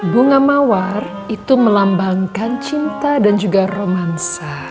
bunga mawar itu melambangkan cinta dan juga romansa